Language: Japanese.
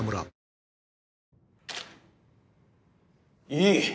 いい！